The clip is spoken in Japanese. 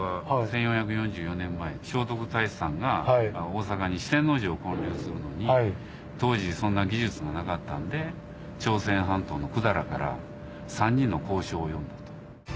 聖徳太子さんが大阪に四天王寺を建立するのに当時そんな技術がなかったんで朝鮮半島の百済から３人の工匠を呼んだと。